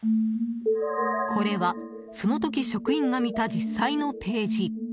これは、その時職員が見た、実際のページ。